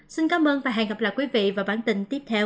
xin cảm ơn và hẹn gặp lại quý vị vào bản tin tiếp theo